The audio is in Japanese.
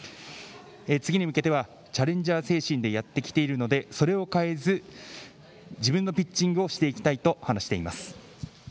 次に向けてはチャレンジャー精神でやってきているのでそれを変えず自分のピッチングをしていきたいと話しています。